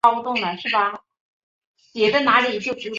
马里尼人口变化图示